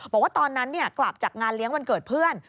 บอกว่าตอนนั้นกลับจากงานเลี้ยงวันเกิดเพื่อน